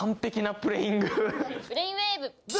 ブレインウェーブ！